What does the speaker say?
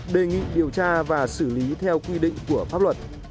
đề nghị điều tra và xử lý theo quy định của pháp luật